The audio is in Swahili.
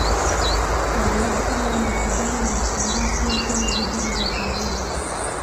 waliuawa Mapigano yalisambaa pia kwenye vijiji vya karibu